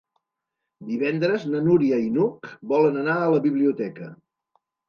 Divendres na Núria i n'Hug volen anar a la biblioteca.